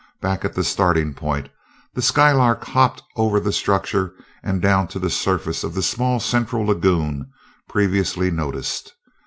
Back at the starting point, the Skylark hopped over the structure and down to the surface of the small central lagoon previously noticed.